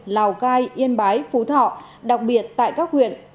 lào cai yên bái phú thọ đặc biệt tại các huyện